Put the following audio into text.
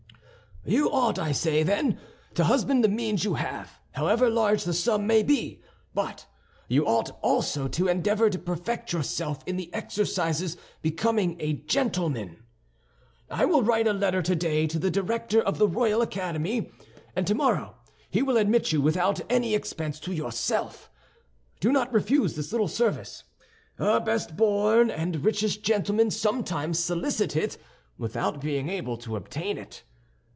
"You ought, I say, then, to husband the means you have, however large the sum may be; but you ought also to endeavor to perfect yourself in the exercises becoming a gentleman. I will write a letter today to the Director of the Royal Academy, and tomorrow he will admit you without any expense to yourself. Do not refuse this little service. Our best born and richest gentlemen sometimes solicit it without being able to obtain it.